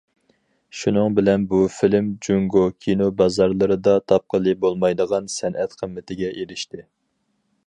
شۇنىڭ بىلەن، بۇ فىلىم جۇڭگو كىنو بازارلىرىدا تاپقىلى بولمايدىغان سەنئەت قىممىتىگە ئېرىشتى.